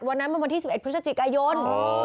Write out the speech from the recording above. วันนั้นมันวันที่๑๑พฤศจิกายน